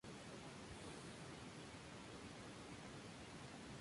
Su cuerpo fue arrastrado por el pueblo por las calles de Siracusa.